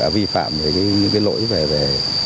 vi phạm những cái lỗi về